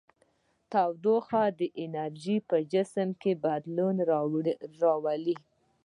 د تودوخې انرژي په جسم کې بدلون راولي.